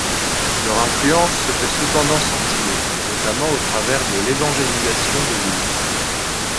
Leur influence se fait cependant sentir, notamment au travers de l'évangélisation de l'île.